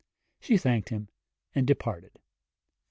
She thanked him and departed.